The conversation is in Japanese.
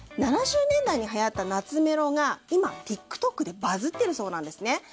７０年代にはやった懐メロが今、ＴｉｋＴｏｋでバズっているそうなんです。